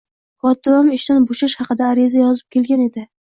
Kotibam ishdan bo'shash haqida ariza yozib kelgan edi